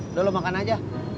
udah lo makan aja